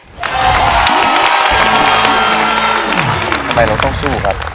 เปล่าเราต้องสู้ครับ